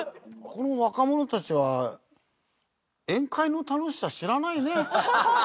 この若者たちは宴会の楽しさ知らないね。